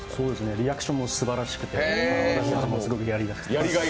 リアクションもすばらしくて私どももすごくやりがいが。